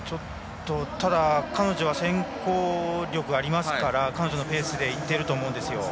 彼女は先行力がありますから彼女のペースでいっていると思います。